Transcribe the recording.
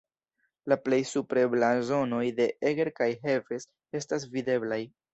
La plej supre blazonoj de Eger kaj Heves estas videblaj.